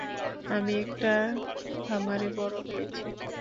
আমি একটা খামারে বড়ো হয়েছি।